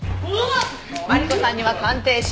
マリコさんには鑑定書。